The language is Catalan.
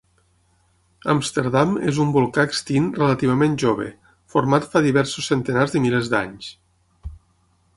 Amsterdam és un volcà extint relativament jove, format fa diversos centenars de milers d'anys.